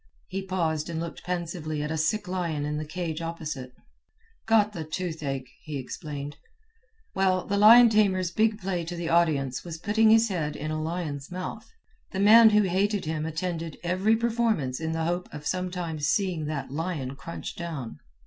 He paused and looked pensively at a sick lion in the cage opposite. "Got the toothache," he explained. "Well, the lion tamer's big play to the audience was putting his head in a lion's mouth. The man who hated him attended every performance in the hope sometime of seeing that lion crunch down.